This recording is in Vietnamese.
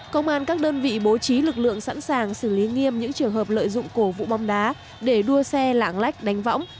công an các đơn vị bố trí lực lượng sẵn sàng xử lý nghiêm những trường hợp lợi dụng cổ vũ bóng đá để đua xe lạng lách đánh võng